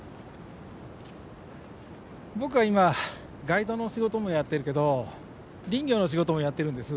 僕は今ガイドの仕事もやってるけど林業の仕事もやってるんです。